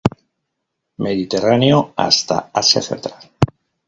Mediterráneo hasta Asia central.